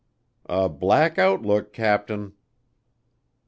"A black outlook, captain."